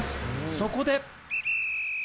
そこで！